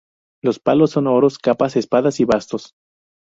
Los palos son oros, copas, espadas y bastos.